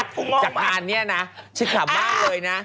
มันจะก่อนเนี่ยนะชิคกี้พายบ้างเลยนะ